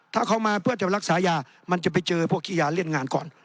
ถ้าเขามาเพื่อจะรักษายามันจะไปเจอพวกขี้ยาเล่นงานก่อน